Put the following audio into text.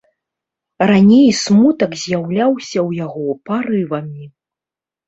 Раней смутак з'яўляўся ў яго парывамі.